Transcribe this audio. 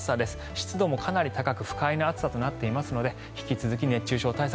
湿度もかなり高く不快な暑さとなっているので引き続き熱中症対策